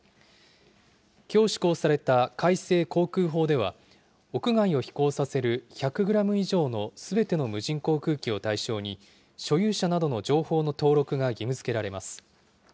きょう施行された改正航空法では、屋外を飛行させる１００グラム以上のすべての無人航空機を対象に、所有者などの情報の登録が義務づけられます。